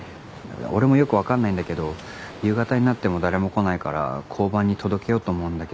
俺もよくわかんないんだけど夕方になっても誰も来ないから交番に届けようと思うんだけど。